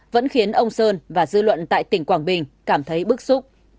vẫn khiến ông sơn và dư luận tại tỉnh quảng bình cảm thấy bức xúc